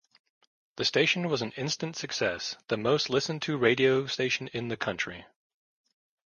The station was an instant success, the most listened-to radio station in the country.